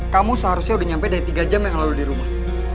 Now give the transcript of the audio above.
kamu seharusnya udah nyampe dari tiga jam yang lalu di rumah